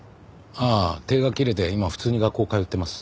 ああ停学切れて今普通に学校通ってます。